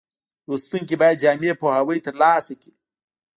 لوستونکي باید جامع پوهاوی ترلاسه کړي.